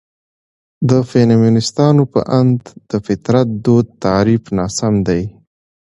د فيمنستانو په اند: ''...د فطرت دود تعريف ناسم دى.